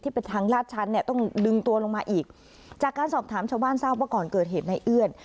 เป็นทางลาดชั้นเนี่ยต้องดึงตัวลงมาอีกจากการสอบถามชาวบ้านทราบว่าก่อนเกิดเหตุในเอื้อน